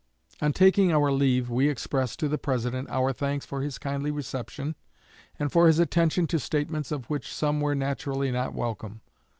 ... On taking our leave we expressed to the President our thanks for his kindly reception, and for his attention to statements of which some were naturally not welcome.